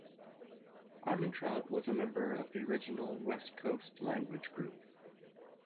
Armantrout was a member of the original West Coast Language group.